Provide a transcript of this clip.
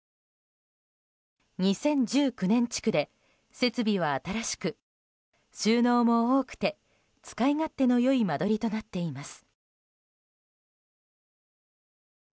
２０１９年築で設備は新しく収納も多くて、使い勝手の良い間取りとなっています。